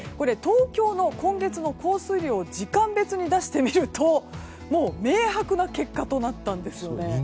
東京の今月の降水量を時間別に出してみると明白な結果となったんですね。